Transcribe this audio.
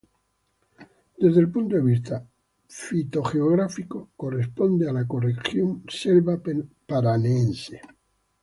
Desde el punto de vista fitogeográfico corresponde a la ecorregión selva Paranaense.